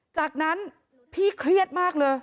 จากนั้นพี่เครียดมากเลย